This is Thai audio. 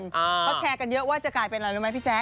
เขาแชร์กันเยอะว่าจะกลายเป็นอะไรรู้ไหมพี่แจ๊